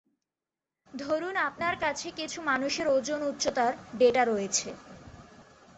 ধরুন আপনার কাছে কিছু মানুষের ওজন-উচ্চতার ডেটা রয়েছে।